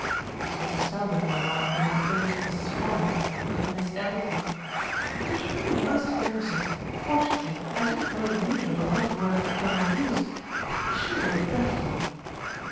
As Mrs. Spelman remarked the next day to Mrs. Pelham, who had "missed everything," "It was really most embarrassing. Fortunately I didn't know the meaning of a lot of the words the Colonel used; but I'm sure they were dreadful."